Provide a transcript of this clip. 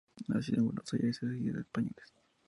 Nacida en Buenos Aires, es hija de españoles.